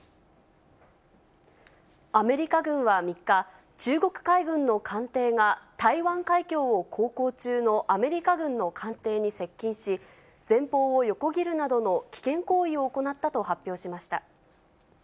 アメリカ軍は３日、中国海軍の艦艇が台湾海峡を航行中のアメリカ軍の艦艇に接近し、前方を横切るなどの危険行為を行ったと発表しました。